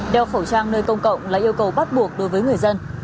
đeo khẩu trang nơi công cộng là yêu cầu bắt buộc đối với người dân